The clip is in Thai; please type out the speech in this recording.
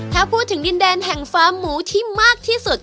ถ้าพูดถึงดินแดนแห่งฟ้าหมูที่มากที่สุด